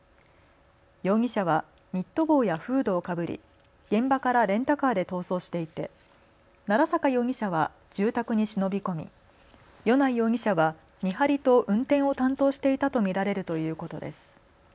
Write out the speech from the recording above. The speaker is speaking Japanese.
容疑者はニット帽やフードをかぶり、現場からレンタカーで逃走していて奈良坂容疑者は住宅に忍び込み米内容疑者は見張りと運転を担当していたと見られるということです。